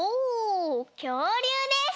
きょうりゅうです！